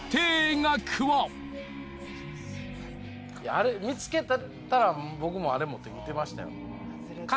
あれ見つけてたら僕も持っていってましたよ。